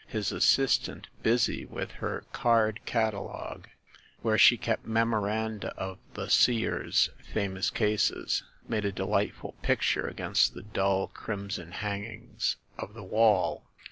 His assistant, busy with her card catalogue, where she kept memoranda of the Seer's famous cases, made a delightful picture against the dull crimson hangings of the wall.